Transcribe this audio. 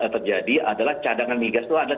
terjadi adalah cadangan migas itu ada